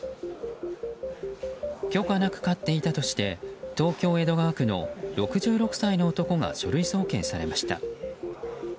許可なく飼っていたとして東京・江戸川区の６６歳の男が書類送検されました。